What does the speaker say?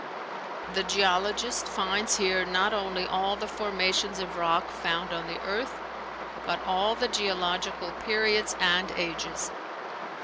The geologist finds here not only all the formations of rock found on the earth, but all the geological periods and ages.